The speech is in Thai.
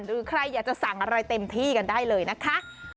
หรือใครอยากจะสั่งอะไรเต็มที่กันได้เลยนะคะ